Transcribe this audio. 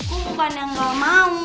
aku bukan yang gak mau